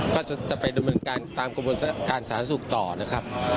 ก็จะไปดำเนินการตามกระบวนการสาธารณสุขต่อนะครับ